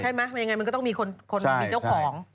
ใช่ไหมไม่อย่างไรมันก็ต้องมีคนมีเจ้าของ